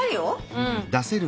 うん。